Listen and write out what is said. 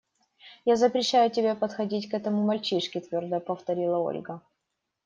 Я запрещаю тебе подходить к этому мальчишке, – твердо повторила Ольга.